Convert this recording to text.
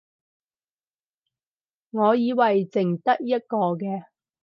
我以為剩得一個嘅